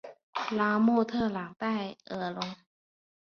拉莫特朗代尔龙。